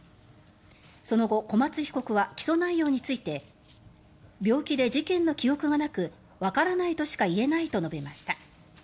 その後、小松被告は起訴内容について病気で事件の記憶がなくわからないとしか言えないと述べました。